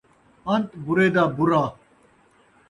انت برے دا برا